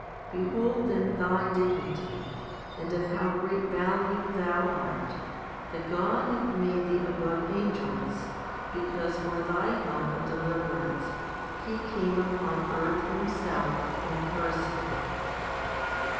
Behold then thy dignity, and of how great value thou art, that God hath made thee above angels, because for thy help and deliverance He came upon earth Himself in person.